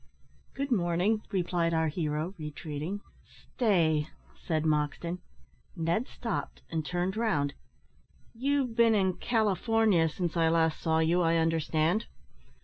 "Good morning!" replied our hero, retreating. "Stay!" said Moxton. Ned stopped, and turned round. "You've been in California, since I last saw you, I understand?"